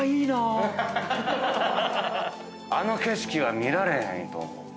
あの景色は見られへんと思う。